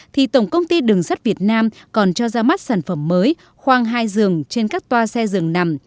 thì tổng công ty đường sắt việt nam còn cho ra mắt sản phẩm mới khoang hai giường trên các toa xe dường nằm